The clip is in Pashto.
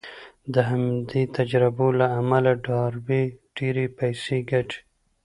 د همدې تجربو له امله ډاربي ډېرې پيسې ګټي.